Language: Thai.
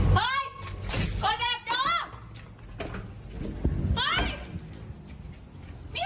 เฮ้ยคนแอบดู